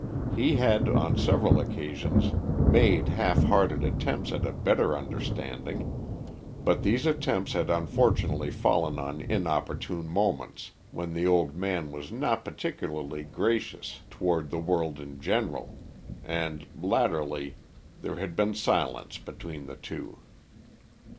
He had, on several occasions, made half hearted attempts at a better understanding, but these attempts had unfortunately fallen on inopportune moments, when the old man was not particularly gracious toward the world in general, and latterly there had been silence between the two.